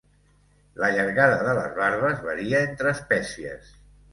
La llargada de les barbes varia entre espècies.